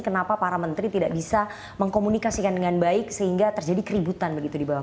kenapa para menteri tidak bisa mengkomunikasikan dengan baik sehingga terjadi keributan begitu di bawah